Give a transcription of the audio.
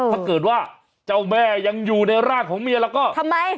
ถ้าเกิดว่าเจ้าแม่ยังอยู่ในร่างของเมียแล้วก็ทำไม